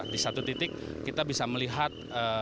di satu titik kita bisa melihat